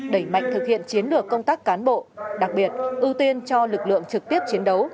đẩy mạnh thực hiện chiến lược công tác cán bộ đặc biệt ưu tiên cho lực lượng trực tiếp chiến đấu